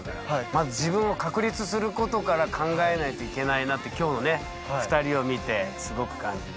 まず自分を確立することから考えないといけないなって今日のね２人を見てすごく感じました。